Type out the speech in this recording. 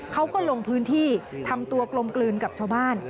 เขาก็ลงพื้นที่ทำตัวกลมกลืนกับชาวบ้าน